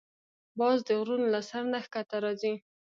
باز د غرونو له سر نه ښکته راځي